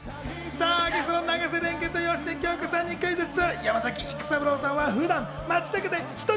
さぁ、ゲストの永瀬廉くんと芳根京子さんにクイズッス！